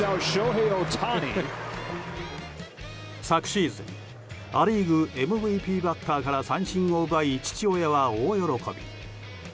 昨シーズンア・リーグＭＶＰバッターから三振を奪い、父親は大喜び。